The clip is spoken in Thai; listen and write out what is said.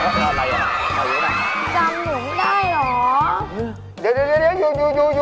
อะไรน่ะอยู่น่ะจำหนูได้หรือ